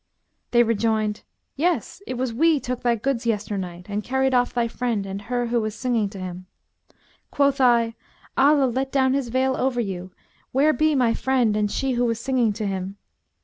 They rejoined, 'Yes! it was we took thy goods yesternight and carried off thy friend and her who was singing to him.' Quoth I, 'Allah let down His veil over you! Where be my friend and she who was singing to him?'